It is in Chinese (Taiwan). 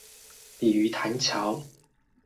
鯉魚潭橋